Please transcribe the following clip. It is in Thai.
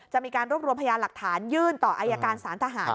จะมีการรวบรวมพยานหลักฐานยื่นต่ออายการสารทหาร